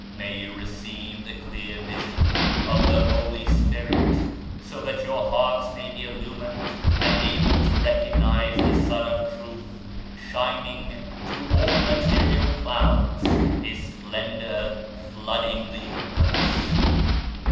May you receive the clear vision of the Holy Spirit, so that your hearts may be illumined and able to recognise the Sun of Truth shining through all material clouds, His splendour flooding the Universe.